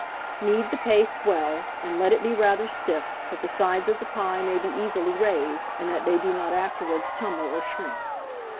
Knead the paste well, and let it be rather stiff, that the sides of the pie may be easily raised, and that they do not afterwards tumble or shrink.